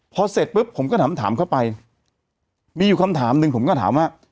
พอเสร็จปุ๊บผมก็ถามถามเข้าไปมีอยู่คำถามหนึ่งผมก็ถามว่า